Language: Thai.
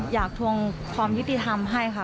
ทวงความยุติธรรมให้ค่ะ